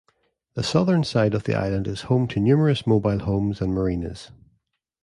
The southern side of the island is home to numerous mobile homes and marinas.